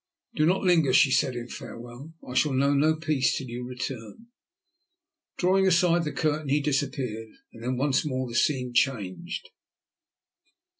"Do not linger," she said in farewell. "I shall know no peace till you return." Drawing aside the curtain he disappeared, and then once more the scene changed.